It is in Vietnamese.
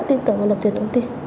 đã tin tưởng và lập tuyển công ty